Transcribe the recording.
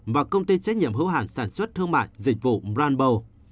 và công ty trách nhiệm hữu hạn sản xuất thương mại dịch vụ brandbow